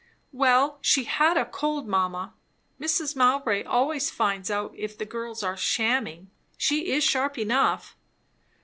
"Well, she had a cold, mamma. Mrs. Mowbray always finds out if the girls are shamming. She is sharp enough."